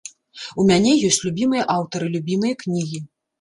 У мяне ёсць любімыя аўтары, любімыя кнігі.